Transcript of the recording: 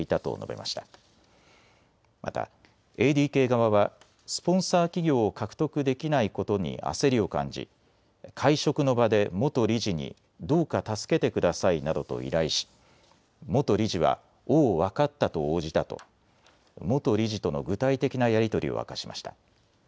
またＡＤＫ側はスポンサー企業を獲得できないことに焦りを感じ会食の場で元理事にどうか助けてくださいなどと依頼し元理事はおう、分かったと応じたと元理事との具体的なやり取りを明かしました。